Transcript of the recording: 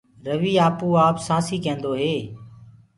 رويٚ آپوآپ سآنٚسي ڪينٚدوئي